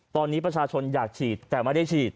ตอนนี้ประชาชนอยากฉีดแต่ไม่ได้ฉีด